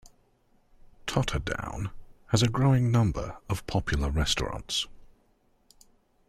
Totterdown has a growing number of popular restaurants.